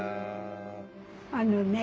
あのね